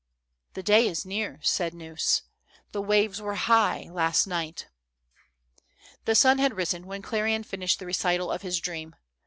"" The day is near," said Gneuss :" the waves were high, last night." The sun had risen when Clerian finished the recital of his dream.